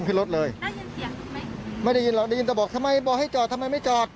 ขึ้นรถเลยได้ยินเสียงไหมไม่ได้ยินหรอกได้ยินแต่บอกทำไมบอกให้จอดทำไมไม่จอด